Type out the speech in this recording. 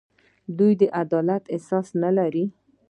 دوی د عدالت احساس نه لري.